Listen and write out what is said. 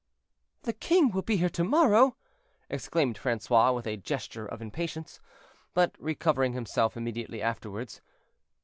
"The king will be here to morrow!" exclaimed Francois, with a gesture of impatience, but recovering himself immediately afterward.